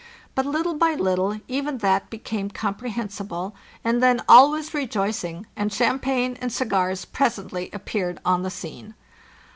But little by little even that became comprehensible ; and then all was rejoicing, and champagne and cigars presently appeared on the scene.